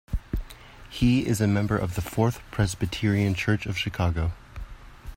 He is a member of the Fourth Presbyterian Church of Chicago.